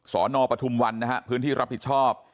นปทุมวันนะฮะพื้นที่รับผิดชอบ